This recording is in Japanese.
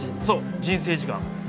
そう。人生時間。